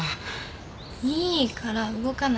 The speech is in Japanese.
いいから動かないで。